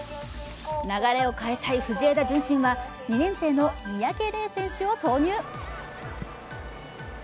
流れを変えたい藤枝順心は、２年生の三宅怜選手を投入。